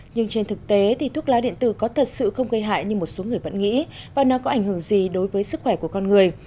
nhưng trên thực tế thì thuốc lá điện tử có thật sự không gây hại như một số người vẫn nghĩ và nó có ảnh hưởng gì đối với sức khỏe của con người